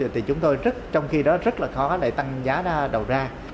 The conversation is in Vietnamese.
thì chúng tôi rất trong khi đó rất là khó lại tăng giá đầu ra